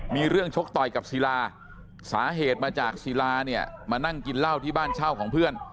มีเรื่องชกต่อยกับศิลาสาเหตุมาจากศิลาเนี่ยมานั่งกินเหล้าที่บ้านเช่าของเพื่อน